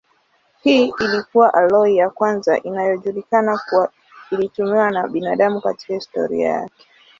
Hii ilikuwa aloi ya kwanza inayojulikana kuwa ilitumiwa na binadamu katika historia yake.